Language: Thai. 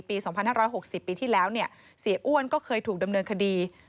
ปี๒๕๖๐ปีที่แล้วเนี่ยเสียอ้วนก็เคยถูกดำเนินคดี